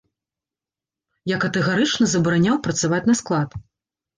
Я катэгарычна забараняў працаваць на склад!